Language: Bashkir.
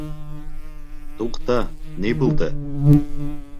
Туҡта, ни булды?